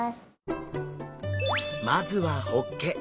まずはホッケ。